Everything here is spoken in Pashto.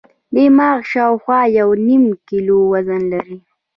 دماغ شاوخوا یو نیم کیلو وزن لري.